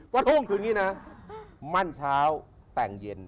ทุ่งคืออย่างนี้นะมั่นเช้าแต่งเย็น